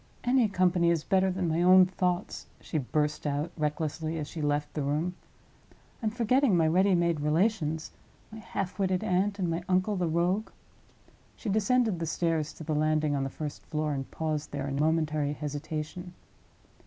"Any company is better than my own thoughts," she burst out, recklessly, as she left the room. "I'm forgetting my ready made relations—my half witted aunt, and my uncle the rogue." She descended the stairs to the landing on the first floor, and paused there in momentary hesitation.